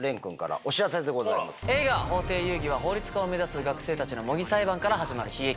映画『法廷遊戯』は法律家を目指す学生たちの模擬裁判から始まる悲劇。